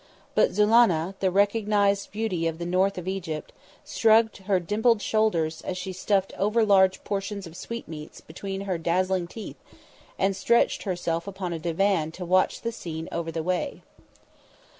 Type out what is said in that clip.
But Zulannah, the recognised beauty of the North of Egypt, shrugged her dimpled shoulders as she stuffed over large portions of sweetmeats between her dazzling teeth and stretched herself upon a divan to watch the scene over the way.